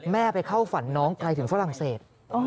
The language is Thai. ไปเข้าฝันน้องไกลถึงฝรั่งเศส